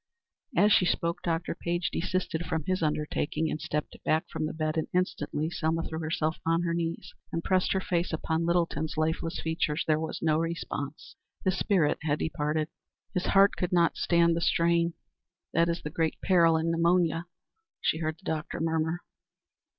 As she spoke, Dr. Page desisted from his undertaking, and stepped back from the bed, and instantly Selma threw herself on her knees and pressed her face upon Littleton's lifeless features. There was no response. His spirit had departed. "His heart could not stand the strain. That is the great peril in pneumonia," she heard the doctor murmur.